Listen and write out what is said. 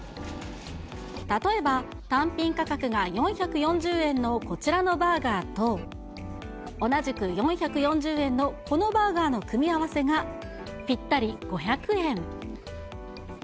例えば、単品価格が４４０円のこちらのバーガーと、同じく４４０円のこのバーガーの組み合わせが、ぴったり５００円。